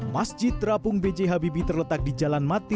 masjid terapung bj habibie terletak di jalan mati